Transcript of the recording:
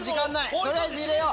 取りあえず入れよう！